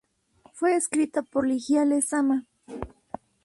Fue escrita por Ligia Lezama.